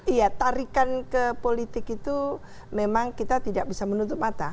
iya tarikan ke politik itu memang kita tidak bisa menutup mata